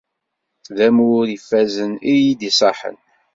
D amur ifazen i iyi-id-iṣaḥen.